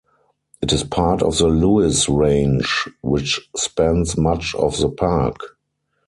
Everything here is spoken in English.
It is part of the Lewis Range, which spans much of the park.